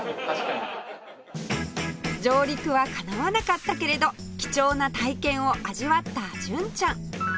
上陸はかなわなかったけれど貴重な体験を味わった純ちゃん